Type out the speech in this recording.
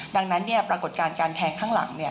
ดังนั้นปรากฏการณ์การแทงข้างหลัง